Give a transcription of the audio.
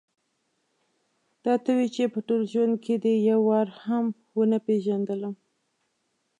دا ته وې چې په ټول ژوند کې دې یو وار هم ونه پېژندلم.